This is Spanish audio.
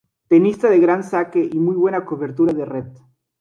Tenista de gran saque y muy buena cobertura de red.